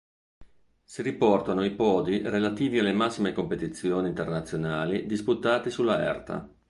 Si riportano i podi relativi alle massime competizioni internazionali disputati sulla Erta.